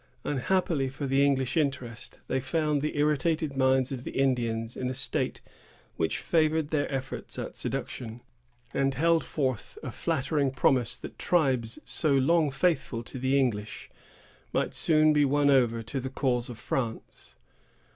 Unhappily for the English interest, they found the irritated minds of the Indians in a state which favored their efforts at seduction, and held forth a flattering promise that tribes so long faithful to the English might soon be won over to the cause of France.